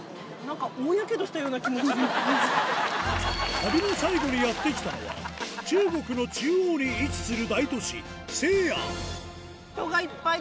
旅の最後にやって来たのは中国の中央に位置する